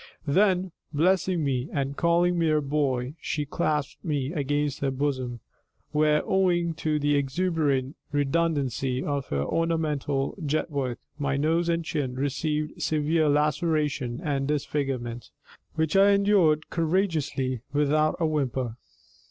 Then, blessing me, and calling me her Boy, she clasped me against her bosom, where, owing to the exuberant redundancy of her ornamental jetwork, my nose and chin received severe laceration and disfigurement, which I endured courageously, without a whimper.